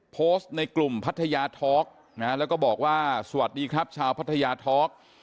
โพสต์ในกลุ่มพัทยาทอล์กนะฮะแล้วก็บอกว่าสวัสดีครับชาวพัทยาทอล์ก